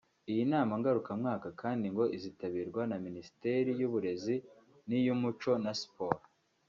Iyi nama ngarukamwaka kandi ngo izitabirwa na Minisiteri y’Uburezi n’iy’Umuco na Siporo